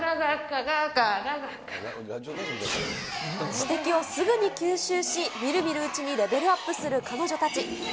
指摘をすぐに吸収し、見る見るうちにレベルアップする彼女たち。